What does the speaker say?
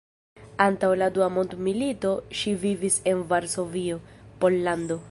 Antaŭ la Dua mondmilito ŝi vivis en Varsovio, Pollando.